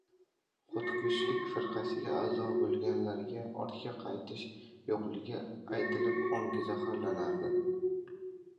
Xudkushlik firqasiga aʼzo boʻlganlarga ortga qaytish yoʻqligi aytilib ongi zaharlanardi.